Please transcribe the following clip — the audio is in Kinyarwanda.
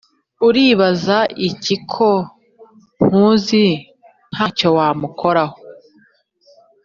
Uribaza iki ko nkuzi ntacyo wamukoraho